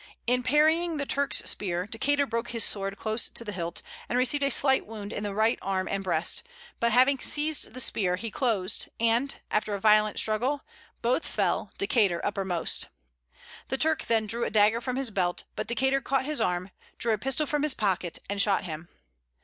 In parrying the Turk's spear, Decater broke his sword close to the hilt, and received a slight wound in the right arm and breast; but having seized the spear he closed; and, after a violent struggle, both fell, Decater uppermost. The Turk then drew a dagger from his belt, but Decater caught his arm, drew a pistol from his pocket and shot him.